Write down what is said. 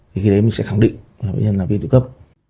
thì cái đấy mình sẽ khẳng định là bệnh nhân là viên tụy cấp